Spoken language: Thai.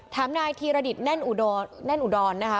นายธีรดิตแน่นอุดรแน่นอุดรนะคะ